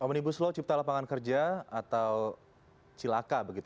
omnibus law cipta lapangan kerja atau cilaka